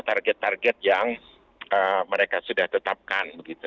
target target yang mereka sudah tetapkan